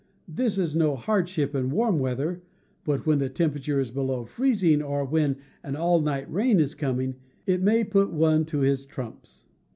This is no hardship in warm weather; but when the temperature is below freezing, or when an all night rain is coming, it may put one to his trumps.